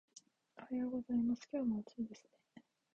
おはようございます。今日も暑いですね